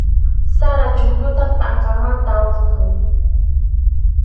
Sara chuqlluta pʼanqanmanta hurquy.